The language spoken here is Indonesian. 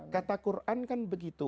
kata qur'an kan begitu